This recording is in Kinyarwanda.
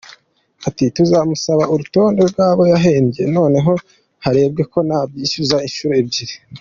Ati “Tuzamusaba urutonde rw’abo yahembye noneho harebwe ko ntabishyuza inshuro ebyiri”.